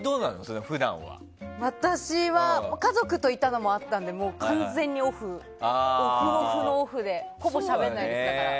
私は家族といたのもあったので完全にオフでほぼしゃべらないです。